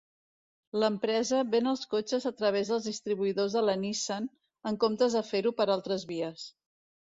L'empresa ven els cotxes a travès dels distribuïdors de la Nissan en comptes de fer-ho per altres vies.